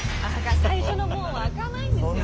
最初の門は開かないんですよね。